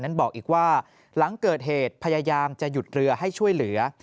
บอกอีกว่าหลังเกิดเหตุพยายามจะหยุดเรือให้ช่วยเหลือ